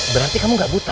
berarti kamu gak buta